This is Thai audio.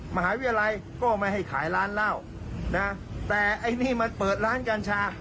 มหาวิทยาลัยก็ไม่ให้ขายร้านเหล้านะแต่ไอ้นี่มันเปิดร้านกัญชา